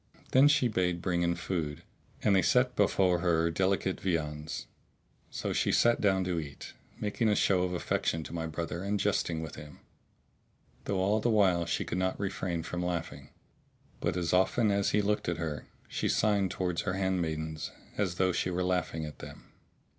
Then she bade bring in food, and they set before her delicate viands; so she sat down to eat, making a show of affection to my brother and jesting with him, though all the while she could not refrain from laughing; but as often as he looked at her, she signed towards her handmaidens as though she were laughing at them.